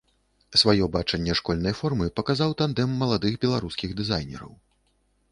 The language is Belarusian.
Сваё бачанне школьнай формы паказаў тандэм маладых беларускіх дызайнераў.